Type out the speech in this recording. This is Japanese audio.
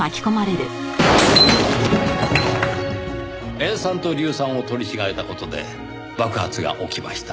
塩酸と硫酸を取り違えた事で爆発が起きました。